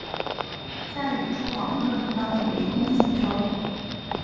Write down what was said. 再与诸王轮番围攻锦州。